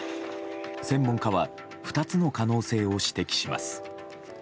専門家は２つの可能性を指摘します。